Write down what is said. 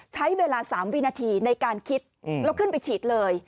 ใช้เวลา๓วินาทีในการคิดแล้วขึ้นไปฉีดเลย